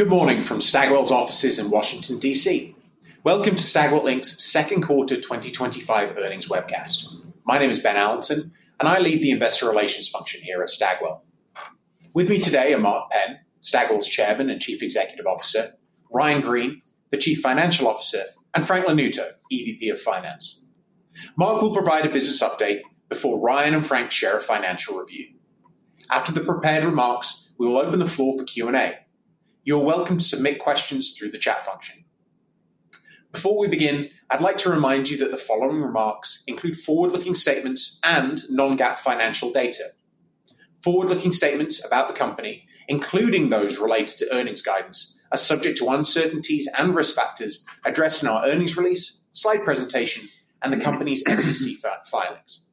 Good morning from Stagwell's offices in Washington, D.C. Welcome to Stagwell Inc.'s second quarter 2025 earnings webcast. My name is Ben Allanson, and I lead the Investor Relations function here at Stagwell. With me today are Mark Penn, Stagwell's Chairman and Chief Executive Officer, Ryan Greene, the Chief Financial Officer, and Frank Lanuto, EVP of Finance. Mark will provide a business update before Ryan and Frank share a financial review. After the prepared remarks, we will open the floor for Q&A. You're welcome to submit questions through the chat function. Before we begin, I'd like to remind you that the following remarks include forward-looking statements and non-GAAP financial data. Forward-looking statements about the company, including those related to earnings guidance, are subject to uncertainties and risk factors addressed in our earnings release, slide presentation, and the company's SEC filings.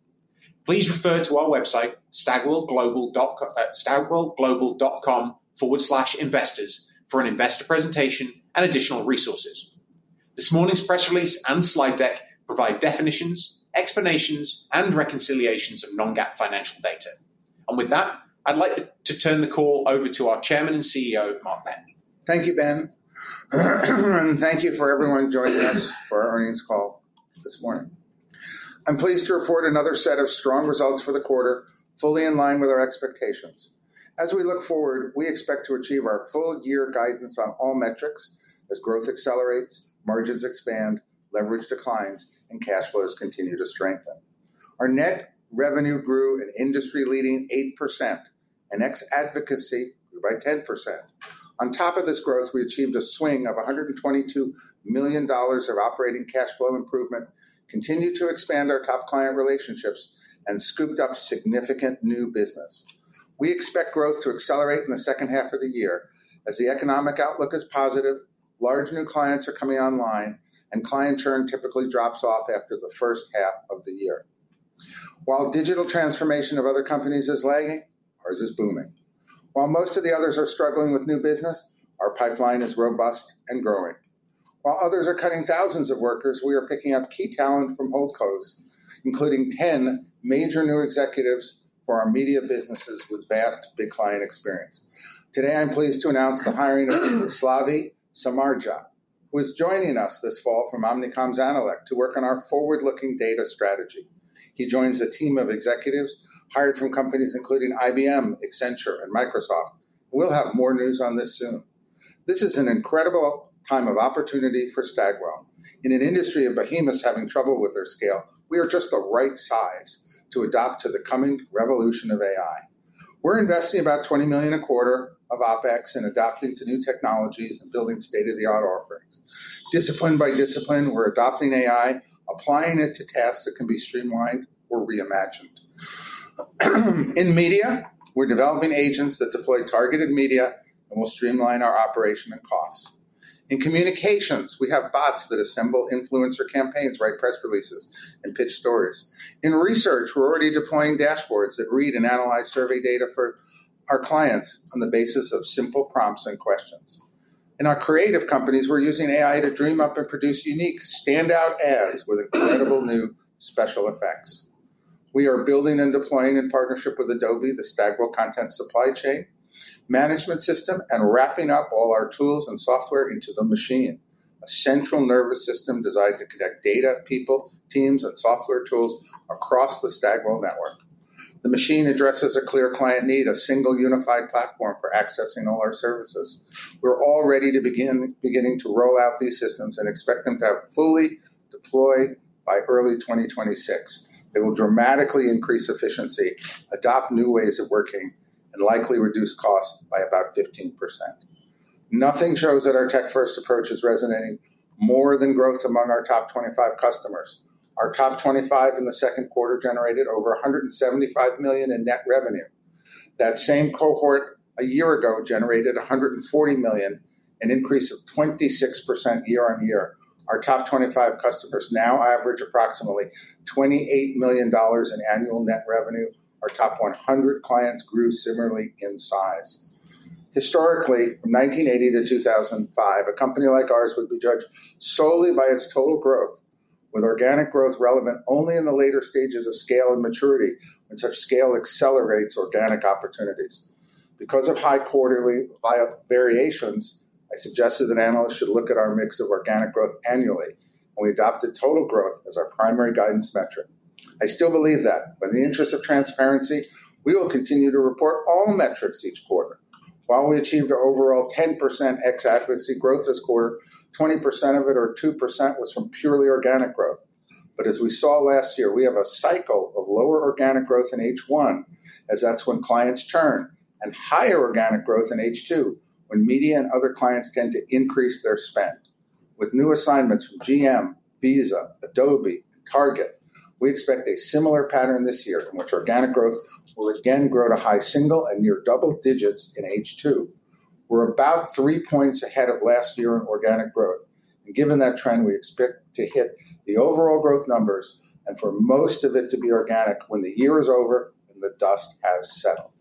Please refer to our website, stagwellglobal.com/investors, for an investor presentation and additional resources. This morning's press release and slide deck provide definitions, explanations, and reconciliations of non-GAAP financial data. I'd like to turn the call over to our Chairman and CEO, Mark Penn. Thank you, Ben. Thank you for everyone joining us for our earnings call this morning. I'm pleased to report another set of strong results for the quarter, fully in line with our expectations. As we look forward, we expect to achieve our full-year guidance on all metrics as growth accelerates, margins expand, leverage declines, and cash flows continue to strengthen. Our net revenue grew at industry-leading 8% and ex-advocacy grew by 10%. On top of this growth, we achieved a swing of $122 million of operating cash flow improvement, continued to expand our top client relationships, and scooped up significant new business. We expect growth to accelerate in the second half of the year as the economic outlook is positive, large new clients are coming online, and client churn typically drops off after the first half of the year. While digital transformation of other companies is lagging, ours is booming. While most of the others are struggling with new business, our pipeline is robust and growing. While others are cutting thousands of workers, we are picking up key talent from hold closed, including 10 major new executives for our media businesses with vast big client experience. Today, I'm pleased to announce the hiring of Yaroslavy Samarjah, who is joining us this fall from Omnicom Zanelec to work on our forward-looking data strategy. He joins a team of executives hired from companies including IBM, Accenture, and Microsoft. We'll have more news on this soon. This is an incredible time of opportunity for Stagwell. In an industry of behemoths having trouble with their scale, we are just the right size to adapt to the coming revolution of AI. We're investing about $20 million a quarter of OpEx in adapting to new technologies and building state-of-the-art offerings. Discipline by discipline, we're adopting AI, applying it to tasks that can be streamlined or reimagined. In media, we're developing agents that deploy targeted media and will streamline our operation and costs. In communications, we have bots that assemble influencer campaigns, write press releases, and pitch stories. In research, we're already deploying dashboards that read and analyze survey data for our clients on the basis of simple prompts and questions. In our creative companies, we're using AI to dream up and produce unique standout ads with incredible new special effects. We are building and deploying in partnership with Adobe, the Stagwell content supply chain management system, and wrapping up all our tools and software into the Machine, a central nervous system designed to connect data people, teams, and software tools across the Stagwell network. The Machine addresses a clear client need: a single unified platform for accessing all our services. We're all ready to begin to roll out these systems and expect them to fully deploy by early 2026. They will dramatically increase efficiency, adopt new ways of working, and likely reduce costs by about 15%. Nothing shows that our tech-first approach is resonating more than growth among our top 25 customers. Our top 25 in the second quarter generated over $175 million in net revenue. That same cohort a year ago generated $140 million, an increase of 26% year-on-year. Our top 25 customers now average approximately $28 million in annual net revenue. Our top 100 clients grew similarly in size. Historically, from 1980 to 2005, a company like ours would be judged solely by its total growth, with organic growth relevant only in the later stages of scale and maturity, and such scale accelerates organic opportunities. Because of high quarterly variations, I suggested that analysts should look at our mix of organic growth annually, and we adopted total growth as our primary guidance metric. I still believe that, but in the interest of transparency, we will continue to report all metrics each quarter. While we achieved overall 10% ex-advocacy growth this quarter, 20% of it or 2% was purely organic growth. As we saw last year, we have a cycle of lower organic growth in H1, as that's when clients churn, and higher organic growth in H2, when media and other clients tend to increase their spend. With new assignments from General Motors, Visa, Adobe, and Target, we expect a similar pattern this year, in which organic growth will again grow to high single and near double digits in H2. We're about three points ahead of last year in organic growth. Given that trend, we expect to hit the overall growth numbers and for most of it to be organic when the year is over and the dust has settled.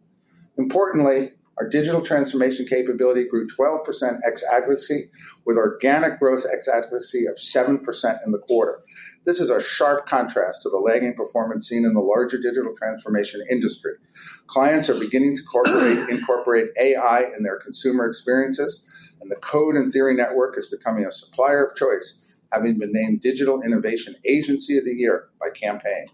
Importantly, our digital transformation capability grew 12% ex-advocacy, with organic growth ex-advocacy of 7% in the quarter. This is a sharp contrast to the lagging performance seen in the larger digital transformation industry. Clients are beginning to incorporate AI in their consumer experiences, and the Code and Theory Network is becoming a supplier of choice, having been named Digital Innovation Agency of the Year by Campaign.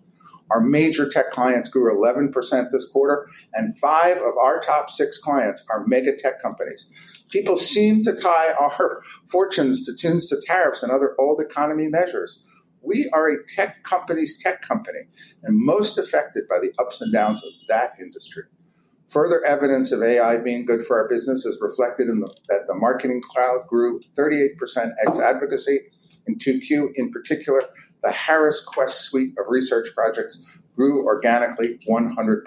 Our major tech clients grew 11% this quarter, and five of our top six clients are mega tech companies. People seem to tie our fortunes to tunes to tariffs and other old economy measures. We are a tech company's tech company, most affected by the ups and downs of that industry. Further evidence of AI being good for our business is reflected in that the Marketing Cloud grew 38% ex-advocacy, and 2Q, in particular, the Harris Quest suite of research projects, grew organically 100%.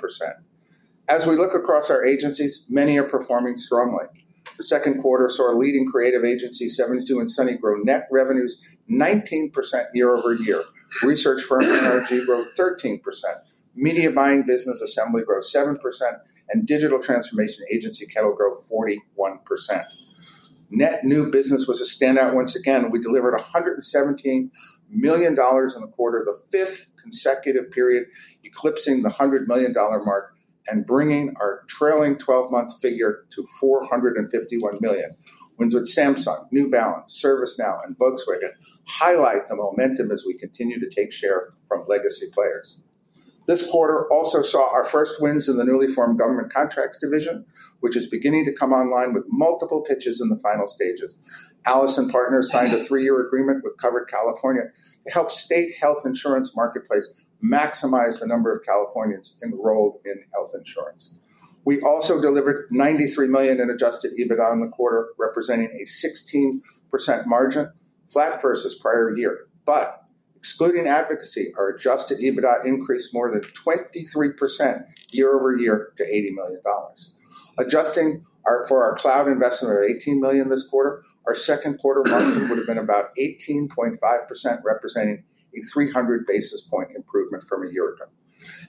As we look across our agencies, many are performing strongly. The second quarter saw leading creative agency 72andSunny grow net revenues 19% year over year. Research firm NRG grew 13%. Media buying business Assembly grew 7%, and digital transformation agency Kettle grew 41%. Net new business was a standout once again, and we delivered $117 million in the quarter, the fifth consecutive period eclipsing the $100 million mark and bringing our trailing 12-month figure to $451 million. Wins with Samsung, New Balance, ServiceNow, and Volkswagen highlight the momentum as we continue to take share from legacy players. This quarter also saw our first wins in the newly formed Government Contracts Division, which is beginning to come online with multiple pitches in the final stages. Allison Partners signed a three-year agreement with Covered California. It helps the state health insurance marketplace maximize the number of Californians enrolled in health insurance. We also delivered $93 million in adjusted EBITDA in the quarter, representing a 16% margin, flat versus prior year. Excluding advocacy, our adjusted EBITDA increased more than 23% year over year to $80 million. Adjusting for our cloud investment of $18 million this quarter, our second quarter margin would have been about 18.5%, representing a 300 basis point improvement from a year ago.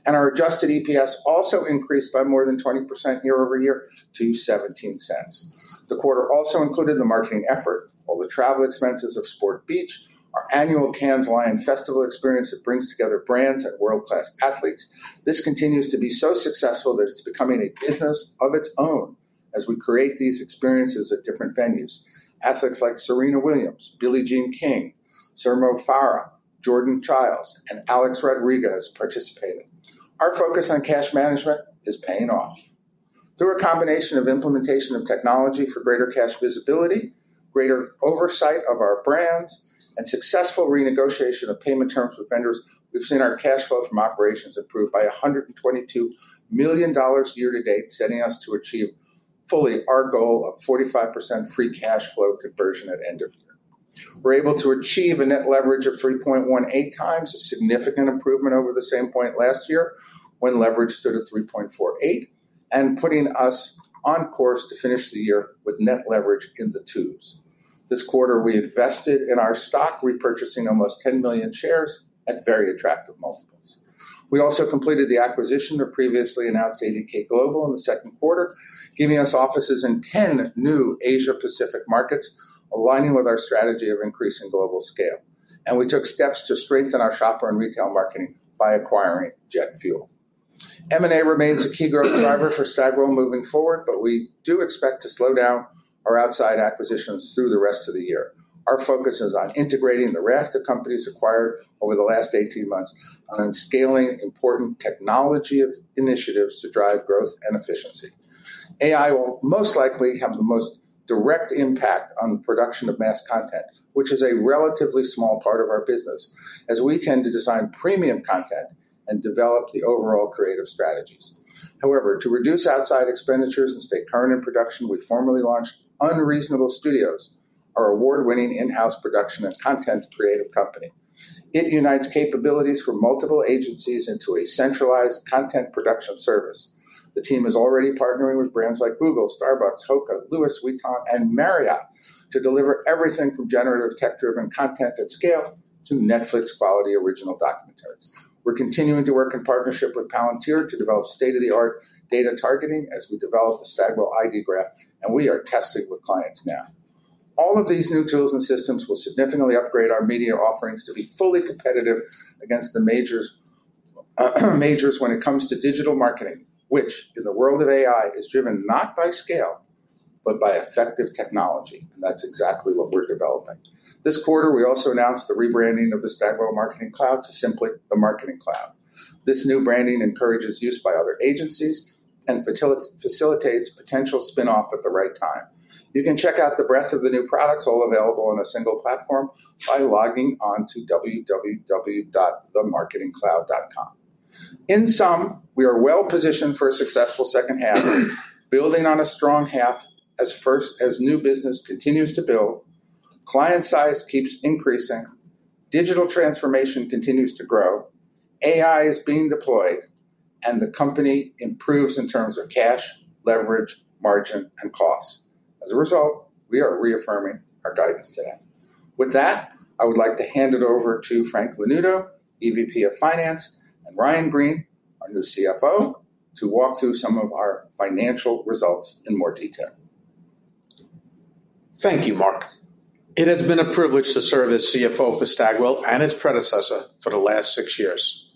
Our adjusted EPS also increased by more than 20% year over year to $0.17. The quarter also included the marketing effort, while the travel expenses have spoiled beach. Our annual Cannes Lions Festival experience that brings together brands and world-class athletes, this continues to be so successful that it's becoming a business of its own as we create these experiences at different venues. Athletes like Serena Williams, Billie Jean King, Sermo Farah, Jordan Chiles, and Alex Rodriguez participated. Our focus on cash management is paying off. Through a combination of implementation of technology for greater cash visibility, greater oversight of our brands, and successful renegotiation of payment terms with vendors, we've seen our cash flow from operations improve by $122 million year to date, setting us to achieve fully our goal of 45% free cash flow conversion at end of year. We're able to achieve a net leverage of 3.18 times, a significant improvement over the same point last year when leverage stood at 3.48, putting us on course to finish the year with net leverage in the twos. This quarter, we invested in our stock, repurchasing almost 10 million shares at very attractive multiples. We also completed the acquisition of previously announced ADK Global in the second quarter, giving us offices in 10 new Asia-Pacific markets, aligning with our strategy of increasing global scale. We took steps to strengthen our shopper and retail marketing by acquiring Jet Fuel. M&A remains a key growth driver for Stagwell moving forward, but we do expect to slow down our outside acquisitions through the rest of the year. Our focus is on integrating the rest of companies acquired over the last 18 months and on scaling important technology initiatives to drive growth and efficiency. AI will most likely have the most direct impact on the production of mass content, which is a relatively small part of our business, as we tend to design premium content and develop the overall creative strategies. However, to reduce outside expenditures and stay current in production, we formally launched Unreasonable Studios, our award-winning in-house production and content creative company. It unites capabilities from multiple agencies into a centralized content production service. The team is already partnering with brands like Google, Starbucks, Hoka, Louis Vuitton, and Marriott to deliver everything from generative tech-driven content at scale to Netflix-quality original documentaries. We're continuing to work in partnership with Palantir to develop state-of-the-art data targeting as we develop the Stagwell ID Graph, and we are testing with clients now. All of these new tools and systems will significantly upgrade our media offerings to be fully competitive against the majors when it comes to digital marketing, which in the world of AI is driven not by scale but by effective technology, and that's exactly what we're developing. This quarter, we also announced the rebranding of the Stagwell Marketing Cloud to simply the Marketing Cloud. This new branding encourages use by other agencies and facilitates potential spin-off at the right time. You can check out the breadth of the new products, all available on a single platform, by logging on to www.themarketingcloud.com. In sum, we are well positioned for a successful second half, building on a strong half as new business continues to build, client size keeps increasing, digital transformation continues to grow, AI is being deployed, and the company improves in terms of cash, leverage, margin, and costs. As a result, we are reaffirming our guidance today. With that, I would like to hand it over to Frank Lanuto, Executive Vice President of Finance, and Ryan Greene, our new Chief Financial Officer, to walk through some of our financial results in more detail. Thank you, Mark. It has been a privilege to serve as CFO for Stagwell and its predecessor for the last six years.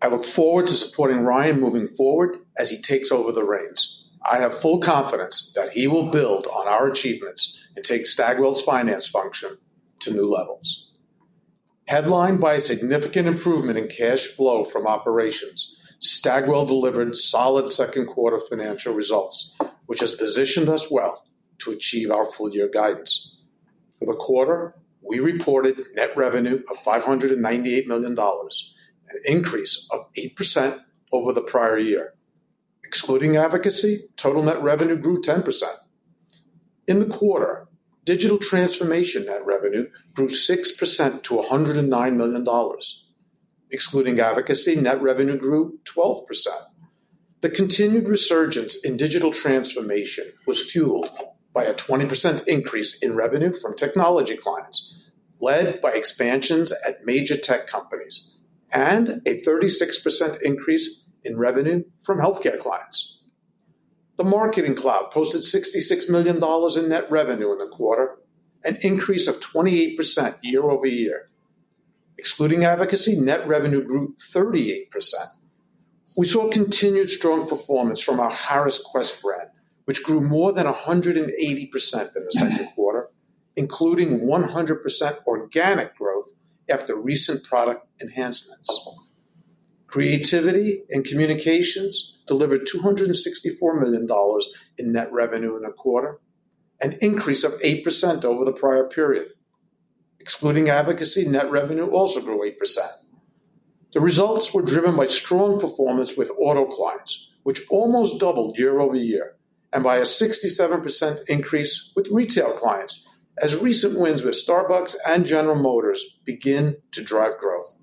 I look forward to supporting Ryan moving forward as he takes over the reins. I have full confidence that he will build on our achievements and take Stagwell's finance function to new levels. Headlined by a significant improvement in cash flow from operations, Stagwell delivered solid second quarter financial results, which has positioned us well to achieve our full-year guidance. For the quarter, we reported net revenue of $598 million, an increase of 8% over the prior year. Excluding advocacy, total net revenue grew 10%. In the quarter, digital transformation net revenue grew 6%-$109 million. Excluding advocacy, net revenue grew 12%. The continued resurgence in digital transformation was fueled by a 20% increase in revenue from technology clients, led by expansions at major tech companies, and a 36% increase in revenue from healthcare clients. The Marketing Cloud posted $66 million in net revenue in the quarter, an increase of 28% year over year. Excluding advocacy, net revenue grew 38%. We saw continued strong performance from our Harris Quest brand, which grew more than 180% in the second quarter, including 100% organic growth after recent product enhancements. Creativity and communications delivered $264 million in net revenue in a quarter, an increase of 8% over the prior period. Excluding advocacy, net revenue also grew 8%. The results were driven by strong performance with auto clients, which almost doubled year over year, and by a 67% increase with retail clients, as recent wins with Starbucks and General Motors begin to drive growth.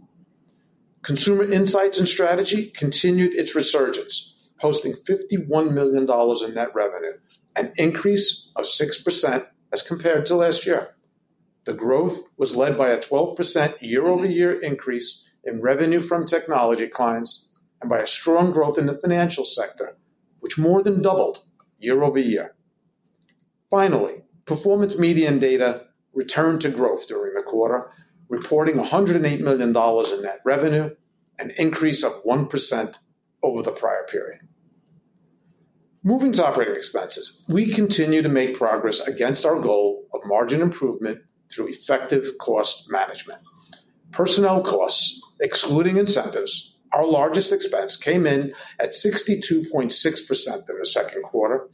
Consumer insights and strategy continued its resurgence, posting $51 million in net revenue, an increase of 6% as compared to last year. The growth was led by a 12% year-over-year increase in revenue from technology clients and by a strong growth in the financial sector, which more than doubled year over year. Finally, performance media and data returned to growth during the quarter, reporting $108 million in net revenue, an increase of 1% over the prior period. Moving to operating expenses, we continue to make progress against our goal of margin improvement through effective cost management. Personnel costs, excluding incentives, our largest expense, came in at 62.6% in the second quarter.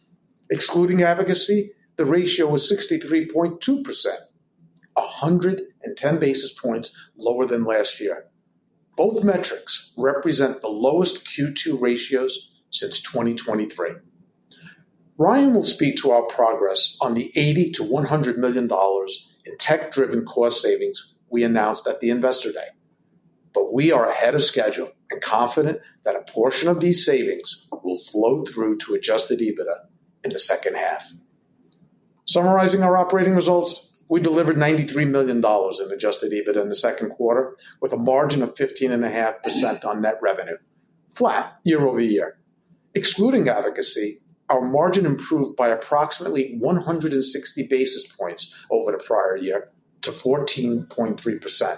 Excluding advocacy, the ratio was 63.2%, 110 basis points lower than last year. Both metrics represent the lowest Q2 ratios since 2023. Ryan will speak to our progress on the $80-$100 million in tech-driven cost savings we announced at the investor day. We are ahead of schedule and confident that a portion of these savings will flow through to adjusted EBITDA in the second half. Summarizing our operating results, we delivered $93 million in adjusted EBITDA in the second quarter, with a margin of 15.5% on net revenue, flat year over year. Excluding advocacy, our margin improved by approximately 160 basis points over the prior year to 14.3%.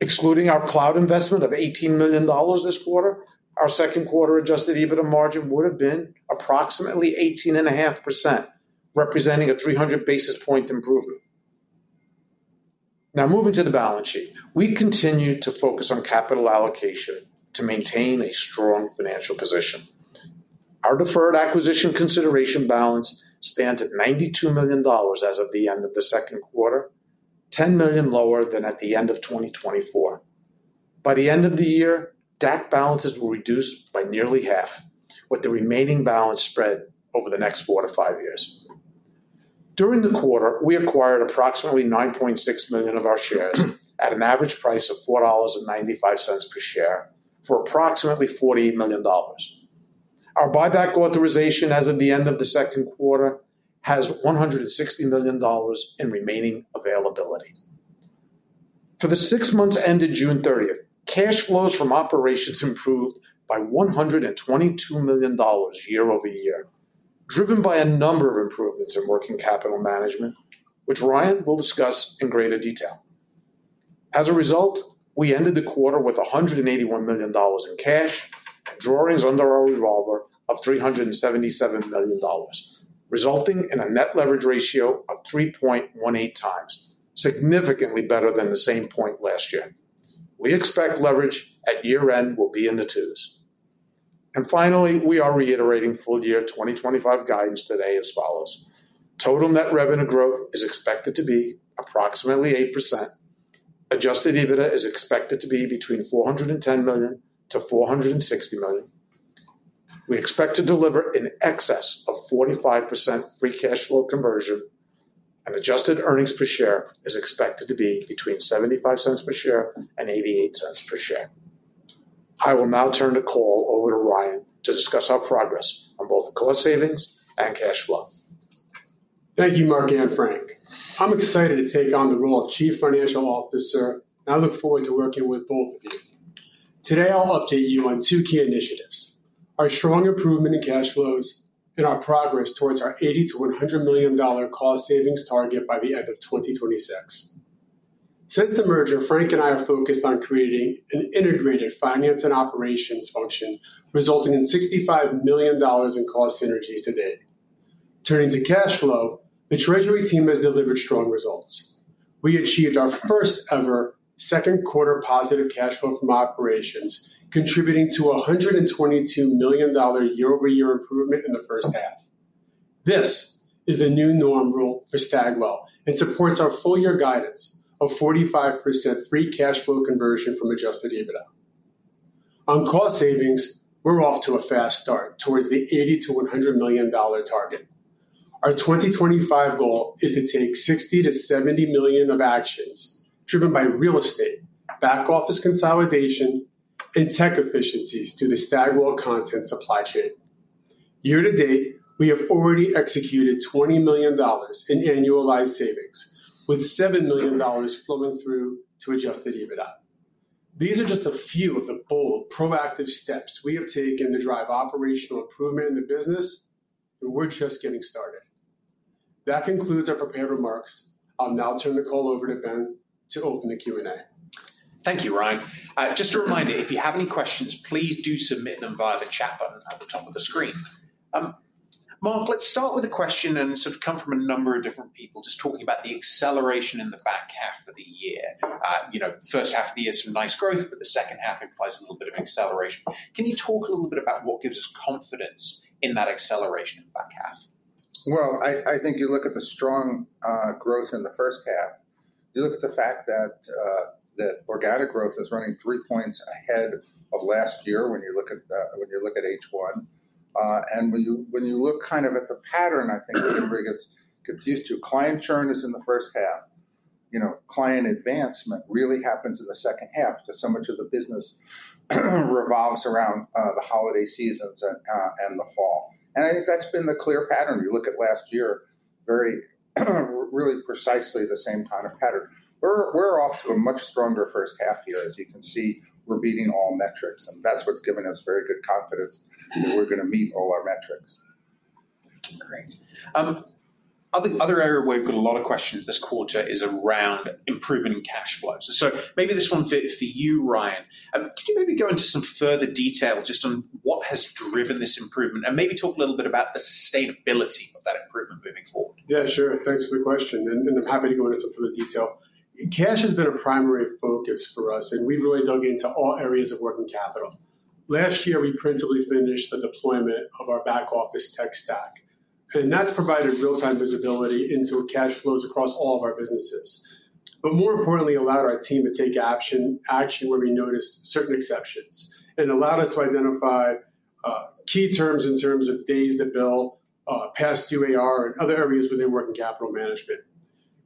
Excluding our cloud investment of $18 million this quarter, our second quarter adjusted EBITDA margin would have been approximately 18.5%, representing a 300 basis point improvement. Now, moving to the balance sheet, we continue to focus on capital allocation to maintain a strong financial position. Our deferred acquisition consideration balance stands at $92 million as of the end of the second quarter, $10 million lower than at the end of 2024. By the end of the year, debt balances will reduce by nearly half, with the remaining balance spread over the next four to five years. During the quarter, we acquired approximately 9.6 million of our shares at an average price of $4.95 per share for approximately $48 million. Our buyback authorization as of the end of the second quarter has $160 million in remaining availability. For the six months ended June 30, cash flows from operations improved by $122 million year over year, driven by a number of improvements in working capital management, which Ryan will discuss in greater detail. As a result, we ended the quarter with $181 million in cash and drawings under our revolver of $377 million, resulting in a net leverage ratio of 3.18 times, significantly better than the same point last year. We expect leverage at year end will be in the twos. Finally, we are reiterating full-year 2025 guidance today as follows. Total net revenue growth is expected to be approximately 8%. Adjusted EBITDA is expected to be between $410 million-$460 million. We expect to deliver in excess of 45% free cash flow conversion, and adjusted earnings per share is expected to be between $0.75 per share and $0.88 per share. I will now turn the call over to Ryan to discuss our progress on both cost savings and cash flow. Thank you, Mark and Frank. I'm excited to take on the role of Chief Financial Officer, and I look forward to working with both of you. Today, I'll update you on two key initiatives: our strong improvement in cash flows and our progress towards our $80-$100 million cost savings target by the end of 2026. Since the merger, Frank and I have focused on creating an integrated finance and operations function, resulting in $65 million in cost synergy today. Turning to cash flow, the Treasury team has delivered strong results. We achieved our first ever second quarter positive cash flow from operations, contributing to a $122 million year-over-year improvement in the first half. This is the new norm rule for Stagwell and supports our full-year guidance of 45% free cash flow conversion from adjusted EBITDA. On cost savings, we're off to a fast start towards the $80-$100 million target. Our 2025 goal is to take $60-$70 million of actions, driven by real estate, back office consolidation, and tech efficiencies to the Stagwell content supply chain. Year to date, we have already executed $20 million in annualized savings, with $7 million flowing through to adjusted EBITDA. These are just a few of the bold, proactive steps we have taken to drive operational improvement in the business, and we're just getting started. That concludes our prepared remarks. I'll now turn the call over to Ben to open the Q&A. Thank you, Ryan. Just a reminder, if you have any questions, please do submit them via the chat button at the top of the screen. Mark, let's start with a question that has come from a number of different people just talking about the acceleration in the back half of the year. The first half of the year is some nice growth, but the second half implies a little bit of acceleration. Can you talk a little bit about what gives us confidence in that acceleration in the back half? I think you look at the strong growth in the first half. You look at the fact that organic growth is running 3 points ahead of last year when you look at H1. When you look kind of at the pattern, I think everybody gets confused too. Client churn is in the first half. You know, client advancement really happens in the second half because so much of the business revolves around the holiday seasons and the fall. I think that's been the clear pattern. You look at last year, really precisely the same kind of pattern. We're off to a much stronger first half here. As you can see, we're beating all metrics, and that's what's given us very good confidence that we're going to meet all our metrics. Great. I think the other area where we've got a lot of questions this quarter is around improvement in cash flow. I think this one's for you, Ryan. Could you maybe go into some further detail just on what has driven this improvement and maybe talk a little bit about the sustainability of that improvement moving forward? Yeah, sure. Thanks for the question. I'm happy to go into some further detail. Cash has been a primary focus for us, and we've really dug into all areas of working capital. Last year, we principally finished the deployment of our back office tech stack. That provided real-time visibility into cash flows across all of our businesses. More importantly, it allowed our team to take action where we noticed certain exceptions and allowed us to identify key terms in terms of days to bill, past QAR, and other areas within working capital management.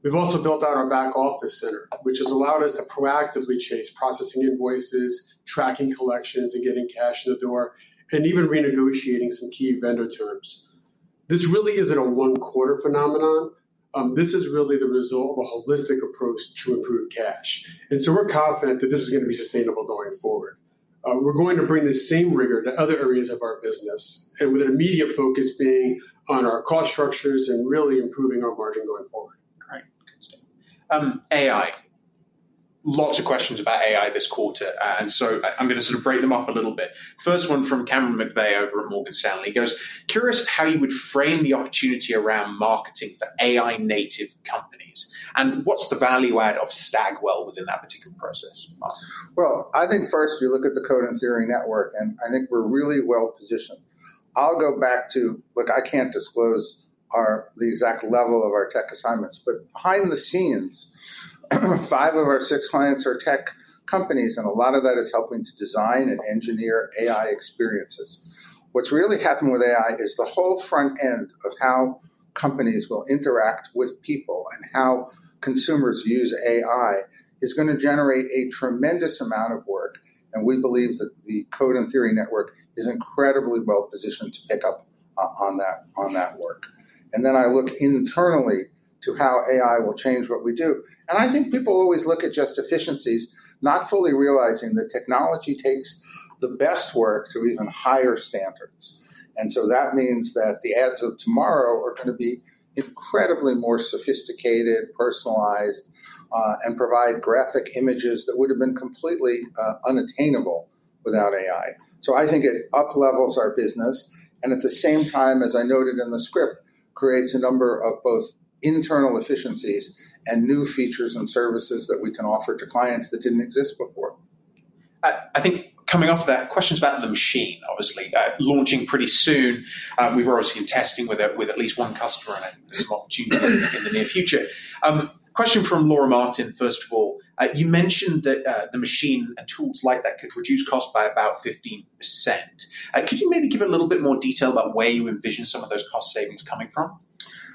We've also built out our back office center, which has allowed us to proactively chase processing invoices, tracking collections, getting cash in the door, and even renegotiating some key vendor terms. This really isn't a one-quarter phenomenon. This is really the result of a holistic approach to improve cash. We're confident that this is going to be sustainable going forward. We're going to bring the same rigor to other areas of our business, with an immediate focus being on our cost structures and really improving our margin going forward. Great. AI. Lots of questions about AI this quarter. I'm going to sort of break them off a little bit. First one from Cameron McVeigh over at Morgan Stanley. He goes, curious how you would frame the opportunity around marketing for AI-native companies. What's the value add of Stagwell within that particular process, Mark? I think first you look at the Code and Theory Network, and I think we're really well positioned. I can't disclose the exact level of our tech assignments, but behind the scenes, five of our six clients are tech companies, and a lot of that is helping to design and engineer AI experiences. What's really happening with AI is the whole front end of how companies will interact with people and how consumers use AI is going to generate a tremendous amount of work. We believe that the Code and Theory Network is incredibly well positioned to pick up on that work. I look internally to how AI will change what we do. I think people always look at just efficiencies, not fully realizing that technology takes the best work to even higher standards. That means that the ads of tomorrow are going to be incredibly more sophisticated, personalized, and provide graphic images that would have been completely unattainable without AI. I think it uplevels our business, and at the same time, as I noted in the script, creates a number of both internal efficiencies and new features and services that we can offer to clients that didn't exist before. I think coming off of that, questions about the Machine, obviously launching pretty soon. We've already seen testing with at least one customer and some opportunity in the near future. Question from Laura Martin, first of all. You mentioned that the Machine and tools like that could reduce costs by about 15%. Could you maybe give a little bit more detail about where you envision some of those cost savings coming from?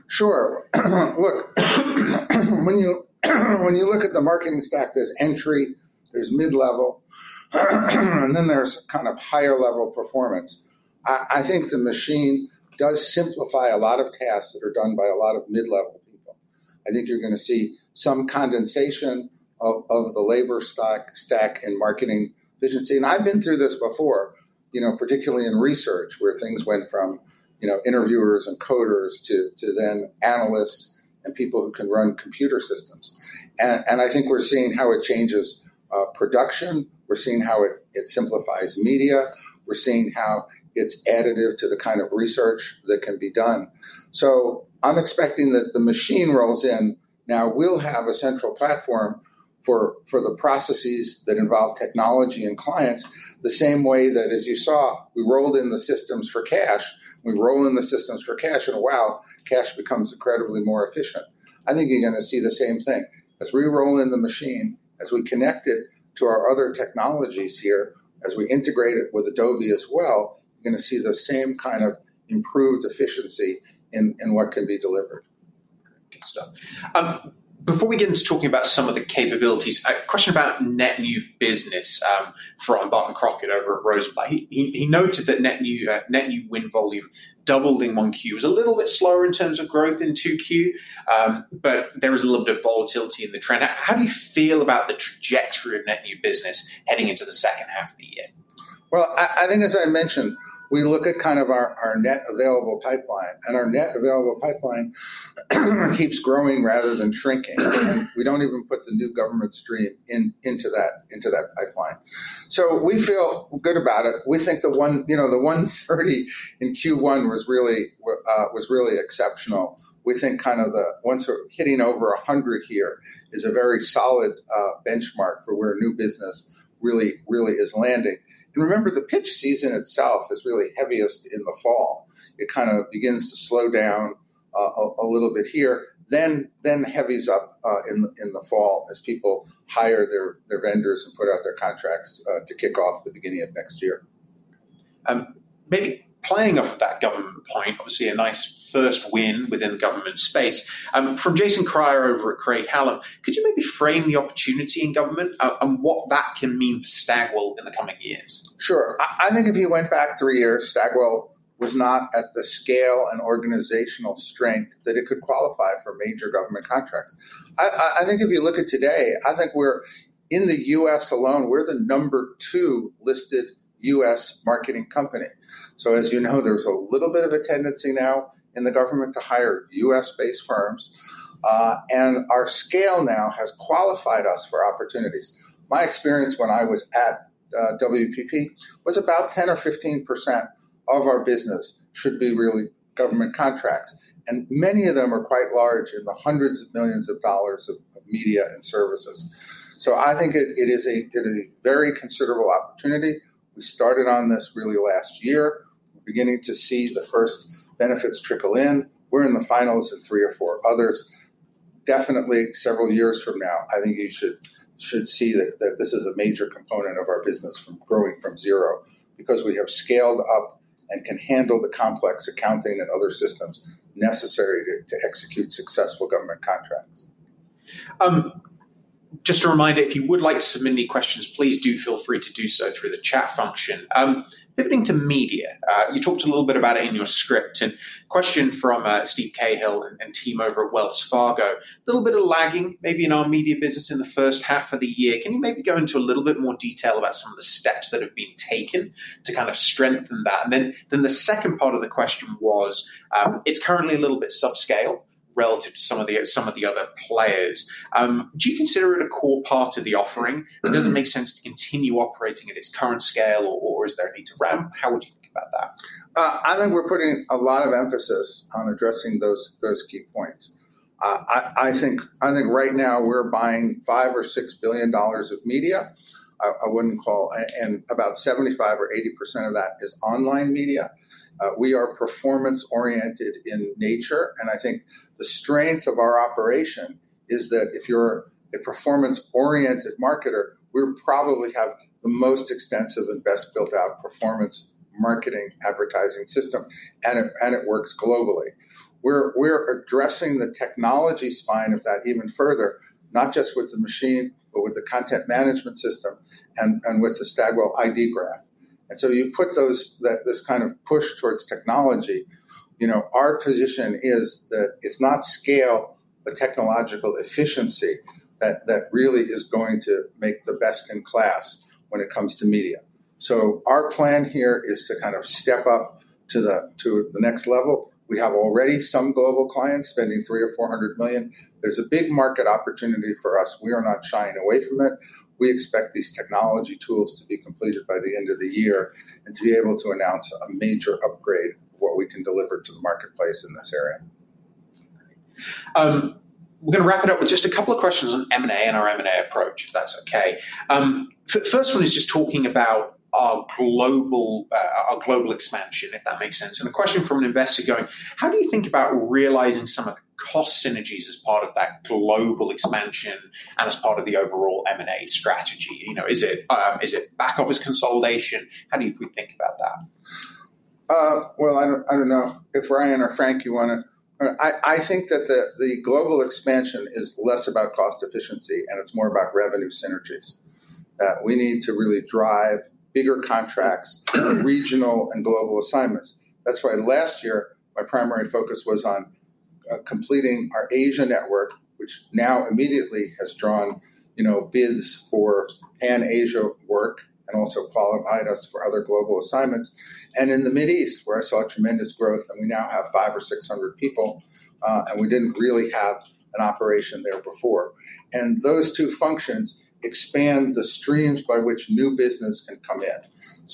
Sure. When you look at the marketing stack, there's entry, there's mid-level, and then there's kind of higher-level performance. I think the Machine does simplify a lot of tasks that are done by a lot of mid-level people. I think you're going to see some condensation of the labor stack and marketing efficiency. I've been through this before, particularly in research where things went from interviewers and coders to then analysts and people who can run computer systems. I think we're seeing how it changes production. We're seeing how it simplifies media. We're seeing how it's additive to the kind of research that can be done. I'm expecting that the Machine rolls in. Now we'll have a central platform for the processes that involve technology and clients, the same way that, as you saw, we rolled in the systems for cash. We roll in the systems for cash, and wow, cash becomes incredibly more efficient. I think you're going to see the same thing. As we roll in the Machine, as we connect it to our other technologies here, as we integrate it with Adobe as well, you're going to see the same kind of improved efficiency in what can be delivered. Before we get into talking about some of the capabilities, a question about net new business for Barton Crockett over at Rosemont. He noted that net new win volume doubled in 1Q. It was a little bit slower in terms of growth in 2Q, but there was a little bit of volatility in the trend. How do you feel about the trajectory of net new business heading into the second half of the year? As I mentioned, we look at kind of our net available pipeline, and our net available pipeline keeps growing rather than shrinking. We don't even put the new government stream into that pipeline. We feel good about it. We think the $130 million in Q1 was really exceptional. We think kind of the ones hitting over $100 million here is a very solid benchmark for where new business really is landing. Remember, the pitch season itself is really heaviest in the fall. It kind of begins to slow down a little bit here, then heavies up in the fall as people hire their vendors and put out their contracts to kick off the beginning of next year. Maybe playing off of that government point, obviously a nice first win within government space. From Jason Kreyer over at Craig-Hallum, could you maybe frame the opportunity in government and what that can mean for Stagwell in the coming years? Sure. I think if you went back three years, Stagwell was not at the scale and organizational strength that it could qualify for major government contracts. I think if you look at today, I think we're in the U.S. alone, we're the number two listed U.S. marketing company. As you know, there's a little bit of a tendency now in the government to hire U.S.-based firms, and our scale now has qualified us for opportunities. My experience when I was at WPP was about 10% or 15% of our business should be really government contracts, and many of them are quite large in the hundreds of millions of dollars of media and services. I think it is a very considerable opportunity. We started on this really last year, beginning to see the first benefits trickle in. We're in the finals in three or four others. Definitely several years from now, I think you should see that this is a major component of our business from growing from zero because we have scaled up and can handle the complex accounting and other systems necessary to execute successful government contracts. Just a reminder, if you would like to submit any questions, please do feel free to do so through the chat function. Pivoting to media, you talked a little bit about it in your script, and question from Steve Cahill and team over at Wells Fargo. A little bit of lagging maybe in our media business in the first half of the year. Can you maybe go into a little bit more detail about some of the steps that have been taken to kind of strengthen that? The second part of the question was, it's currently a little bit subscale relative to some of the other players. Do you consider it a core part of the offering? Does it make sense to continue operating at its current scale, or is there a need to ramp? How would you think about that? I think we're putting a lot of emphasis on addressing those key points. I think right now we're buying $5 billion or $6 billion of media. I wouldn't call, and about 75% or 80% of that is online media. We are performance-oriented in nature, and I think the strength of our operation is that if you're a performance-oriented marketer, we probably have the most extensive and best built-out performance marketing advertising system, and it works globally. We're addressing the technology spine of that even further, not just with the Machine, but with the content supply chain management system and with the Stagwell ID Graph. You put this kind of push towards technology. Our position is that it's not scale, but technological efficiency that really is going to make the best in class when it comes to media. Our plan here is to kind of step up to the next level. We have already some global clients spending $300 million or $400 million. There's a big market opportunity for us. We are not shying away from it. We expect these technology tools to be completed by the end of the year and to be able to announce a major upgrade of what we can deliver to the marketplace in this area. We're going to wrap it up with just a couple of questions on M&A and our M&A approach, if that's OK. First one is just talking about our global expansion, if that makes sense. A question from an investor going, how do you think about realizing some of the cost synergies as part of that global expansion and as part of the overall M&A strategy? Is it back office consolidation? How do you think about that? I don't know if Ryan or Frank, you want to. I think that the global expansion is less about cost efficiency, and it's more about revenue synergies. We need to really drive bigger contracts with regional and global assignments. That's why last year my primary focus was on completing our Asia-Pacific network, which now immediately has drawn, you know, bids for Asia-Pacific work and also qualified us for other global assignments. In the Mideast, where I saw tremendous growth, we now have 500 or 600 people, and we didn't really have an operation there before. Those two functions expand the streams by which new business can come in.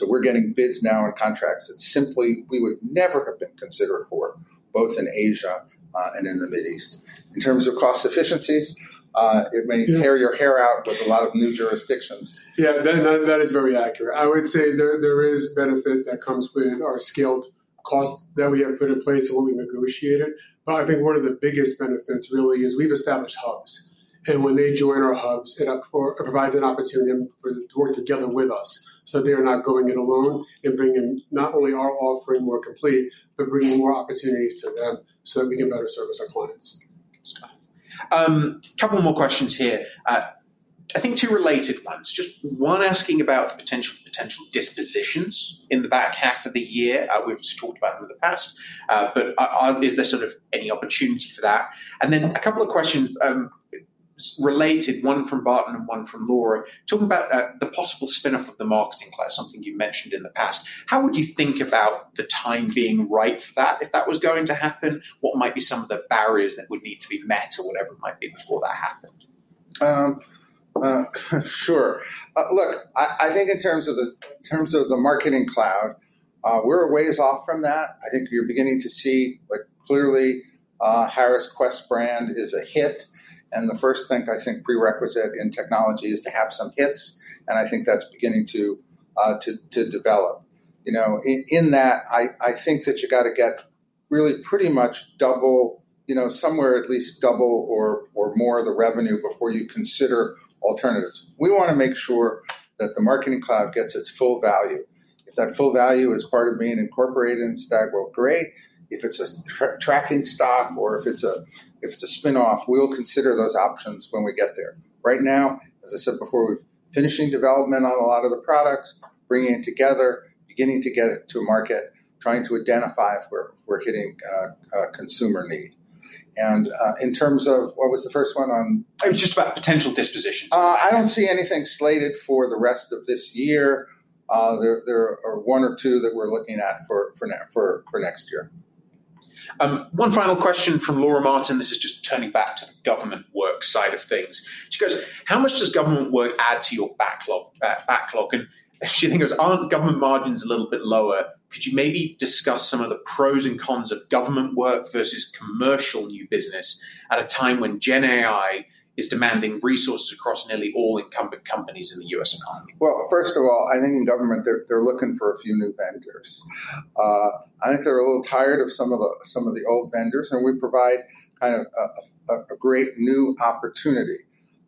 We're getting bids now on contracts that simply we would never have been considered for, both in Asia-Pacific and in the Mideast. In terms of cost efficiencies, it may tear your hair out, but a lot of new jurisdictions. Yeah, that is very accurate. I would say there is benefit that comes with our scaled costs that we have put in place and what we negotiated. I think one of the biggest benefits really is we've established hubs. When they join our hubs, it provides an opportunity to work together with us so they are not going in alone and bringing not only our offering more complete, but bringing more opportunities to them so that we can better service our clients. A couple more questions here. I think two related ones. Just one asking about potential dispositions in the back half of the year, which we've talked about in the past. Is there sort of any opportunity for that? There are a couple of questions related, one from Barton and one from Laura, talking about the possible spin-off of the Marketing Cloud, something you mentioned in the past. How would you think about the time being right for that if that was going to happen? What might be some of the barriers that would need to be met or whatever it might be before that happened? Sure. Look, I think in terms of the Marketing Cloud, we're a ways off from that. I think you're beginning to see clearly the Harris Quest brand is a hit. The first thing I think prerequisite in technology is to have some hits, and I think that's beginning to develop. In that, I think that you got to get really pretty much double, somewhere at least double or more of the revenue before you consider alternatives. We want to make sure that the Marketing Cloud gets its full value. If that full value is part of being incorporated in Stagwell, great. If it's a tracking stock or if it's a spin-off, we'll consider those options when we get there. Right now, as I said before, we're finishing development on a lot of the products, bringing it together, beginning to get it to market, trying to identify if we're hitting a consumer need. In terms of what was the first one on? It was just about potential dispositions. I don't see anything slated for the rest of this year. There are one or two that we're looking at for next year. One final question from Laura Martin. This is just turning back to the government work side of things. She goes, how much does government work add to your backlog? She then goes, are the government margins a little bit lower? Could you maybe discuss some of the pros and cons of government work versus commercial new business at a time when Gen AI is demanding resources across nearly all incumbent companies in the U.S.? First of all, I think in government, they're looking for a few new vendors. I think they're a little tired of some of the old vendors, and we provide kind of a great new opportunity.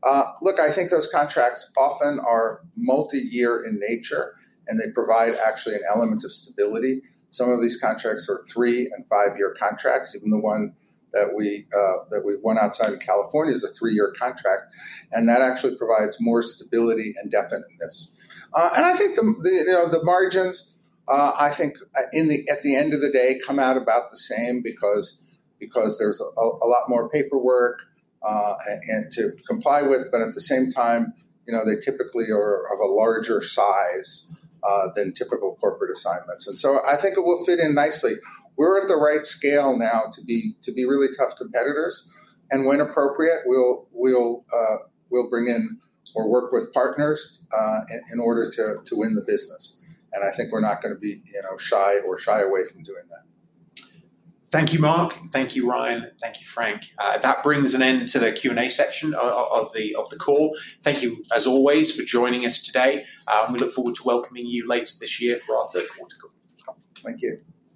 I think those contracts often are multi-year in nature, and they provide actually an element of stability. Some of these contracts are three and five-year contracts. Even the one that we won outside of California is a three-year contract, and that actually provides more stability and definiteness. I think the margins, at the end of the day, come out about the same because there's a lot more paperwork to comply with. At the same time, you know, they typically are of a larger size than typical corporate assignments, and I think it will fit in nicely. We're at the right scale now to be really tough competitors. When appropriate, we'll bring in or work with partners in order to win the business. I think we're not going to be shy or shy away from doing that. Thank you, Mark. Thank you, Ryan. Thank you, Frank. That brings an end to the Q&A section of the call. Thank you, as always, for joining us today. We look forward to welcoming you later this year for our third quarter call. Thank you.